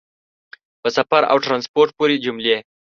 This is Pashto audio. په سفر او ټرانسپورټ پورې جملې